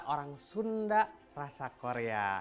orang sunda rasa korea